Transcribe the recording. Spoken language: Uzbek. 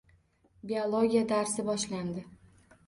Biologiya darsi boshlandi.